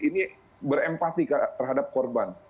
ini berempati terhadap korban